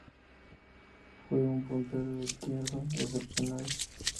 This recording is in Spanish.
Fue un puntero izquierdo excepcional.